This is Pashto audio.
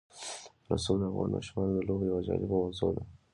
رسوب د افغان ماشومانو د لوبو یوه جالبه موضوع ده.